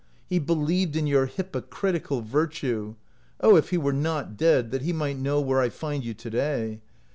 He believed in your hypocritical virtue. Oh, if he were not dead, that he might know where I find you to day!